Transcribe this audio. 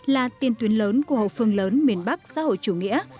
là tiền tuyến lớn của hậu phương lớn miền bắc xã hội chủ nghĩa